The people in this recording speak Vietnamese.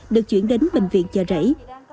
được chuyển đến bệnh viện chợ rẫy